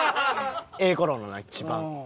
ええ頃のな一番。